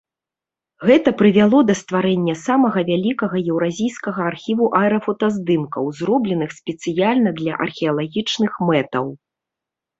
Гэта прывяло да стварэння самага вялікага еўразійскага архіву аэрафотаздымкаў, зробленых спецыяльна для археалагічных мэтаў.